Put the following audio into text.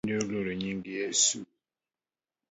Jochiende oluoro nying Yeso